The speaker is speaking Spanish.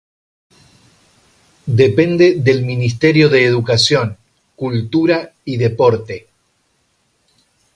Depende del Ministerio de Educación, Cultura y Deporte.